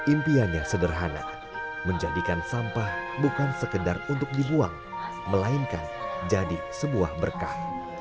impiannya sederhana menjadikan sampah bukan sekedar untuk dibuang melainkan jadi sebuah berkah